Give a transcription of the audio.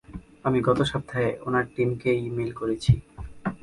আমি গত সপ্তাহে উনার টিমকে ই-মেইল করেছি।